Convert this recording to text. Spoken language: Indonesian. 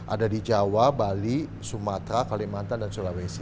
ada di jawa bali sumatera kalimantan dan sulawesi